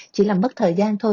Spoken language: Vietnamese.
chỉ là mất thời gian thôi